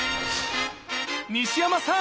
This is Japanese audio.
西山さん